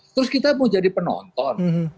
terus kita mau jadi penonton